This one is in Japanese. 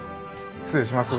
失礼します。